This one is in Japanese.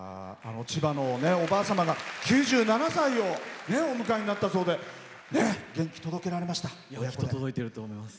千葉のおばあ様が９７歳をお迎えになったそうで届いていると思います。